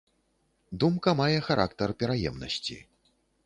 Думка мае характар пераемнасці.